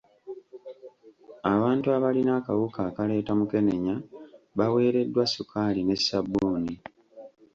Abantu abalina akawuka akaleeta mukenenya baweereddwa sukaali ne ssabbuuni.